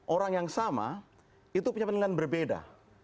orang yang sama itu punya pandangan berbeda